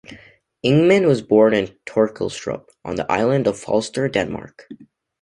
Ingemann was born in Torkilstrup, on the island of Falster, Denmark.